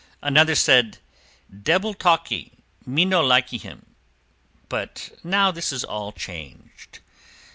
Another said, "Debil talkee, me no likee him," but now this is all changed.